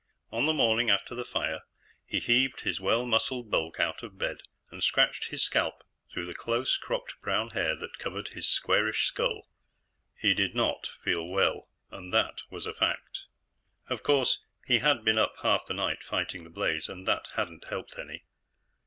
On the morning after the fire, he heaved his well muscled bulk out of bed and scratched his scalp through the close cropped brown hair that covered his squarish skull. He did not feel well, and that was a fact. Of course, he had been up half the night fighting the blaze, and that hadn't helped any.